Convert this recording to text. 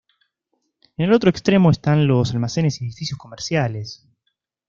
En el otro extremo están los almacenes y edificios comerciales.